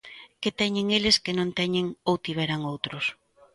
Que teñen eles que non teñen ou tiveran outros?